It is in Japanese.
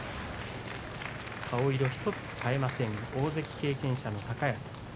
顔色１つ変えません大関経験者の高安。